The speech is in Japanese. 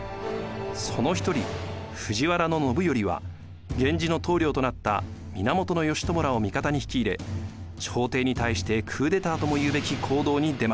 その一人藤原信頼は源氏の棟梁となった源義朝らを味方に引き入れ朝廷に対してクーデターともいうべき行動に出ます。